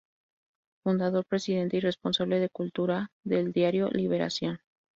Fundador, presidente y responsable de Cultura del diario "Liberación".